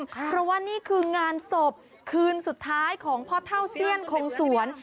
เพราะว่านี่คืองานศพคืนสุดท้ายของพ่อเท่าเซียนคงสวน